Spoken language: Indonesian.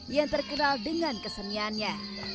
yang terkenal dengan keseniannya